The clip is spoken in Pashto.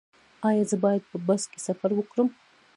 ایا زه باید په بس کې سفر وکړم؟